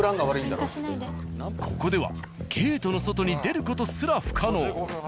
ここではゲートの外に出る事すら不可能。